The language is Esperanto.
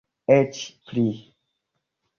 Eĉ pli.